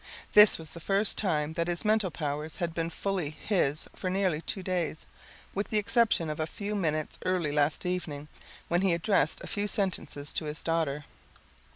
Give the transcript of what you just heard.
This was the first time that his mental powers had been fully his for nearly two days, with the exception of a few minutes early last evening, when he addressed a few sentences to his daughter.